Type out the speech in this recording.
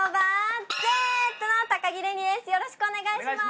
よろしくお願いします。